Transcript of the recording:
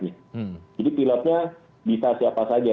pilotnya bisa siapa saja